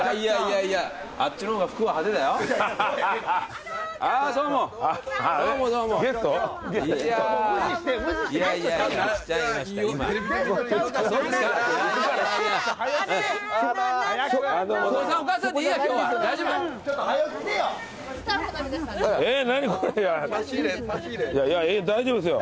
いや大丈夫ですよ。